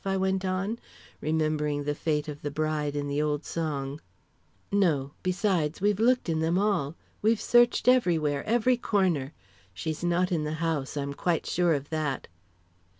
I went on, remembering the fate of the bride in the old song. "No; besides, we've looked in them all. We've searched everywhere every corner. She's not in the house I'm quite sure of that."